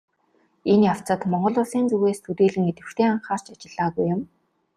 Энэ явцад Монгол Улсын зүгээс төдийлөн идэвхтэй анхаарч ажиллаагүй юм.